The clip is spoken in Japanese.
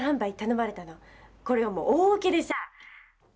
これがもう大ウケでさ。